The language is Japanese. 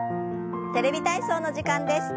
「テレビ体操」の時間です。